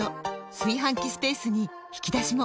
炊飯器スペースに引き出しも！